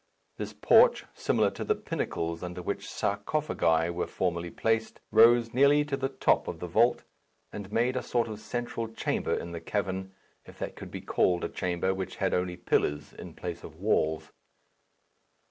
This porch, similar to the pinnacles under which sarcophagi were formerly placed, rose nearly to the top of the vault, and made a sort of central chamber in the cavern, if that could be called a chamber which had only pillars in place of walls.